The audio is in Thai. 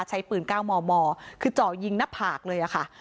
ใช้ปืน๙มมคือเจาะยิงหน้าผากเลยค่ะ